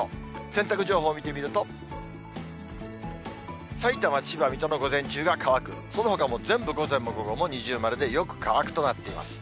洗濯情報見てみると、さいたま、千葉、水戸も午前中が乾く、そのほかも全部午前も午後も二重丸でよく乾くとなっています。